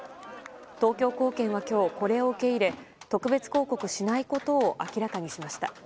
東京高検は今日、これを受け入れ特別抗告しないことを明らかにしました。